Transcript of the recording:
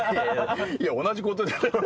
いや同じことじゃん。